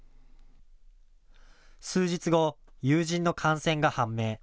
数日後、友人の感染が判明。